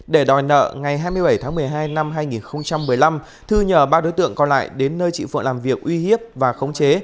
để đòi nợ ngày hai mươi bảy tháng một mươi hai năm hai nghìn một mươi năm thư nhờ ba đối tượng còn lại đến nơi chị phượn làm việc uy hiếp và khống chế